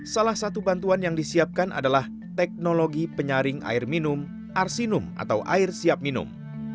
salah satu bantuan yang disiapkan adalah teknologi penyaring air minum arsinum atau air siap minum